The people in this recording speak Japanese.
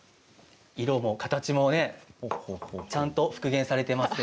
色も形もちゃんと復元されています。